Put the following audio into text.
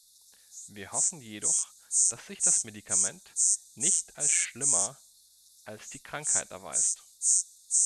Wir hoffen jedoch, dass sich das Medikament nicht als schlimmer als die Krankheit erweist.